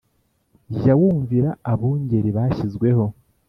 Jya wumvira abungeri bashyizweho